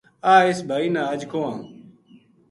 آ ! اس بھائی نا اج کوہواں